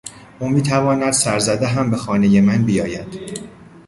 او میتواند سرزده هم به خانهی من بیاید.